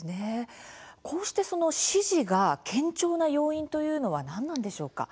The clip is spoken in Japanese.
こうして支持が堅調な要因というのは何なんでしょうか。